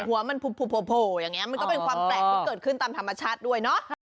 หัวมันโผล่อย่างนี้มันก็เป็นความแปลกที่เกิดขึ้นตามธรรมชาติด้วยเนาะ